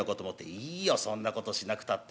「いいよそんなことしなくたって」。